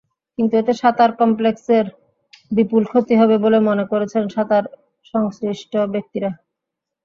কিন্তু এতে সাঁতার কমপ্লেক্সের বিপুল ক্ষতি হবে বলে মনে করছেন সাঁতার-সংশ্লিষ্ট ব্যক্তিরা।